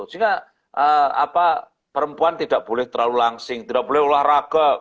sehingga perempuan tidak boleh terlalu langsing tidak boleh olahraga